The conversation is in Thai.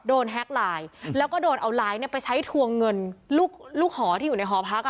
แฮ็กไลน์แล้วก็โดนเอาไลฟ์เนี่ยไปใช้ทวงเงินลูกหอที่อยู่ในหอพักอ่ะ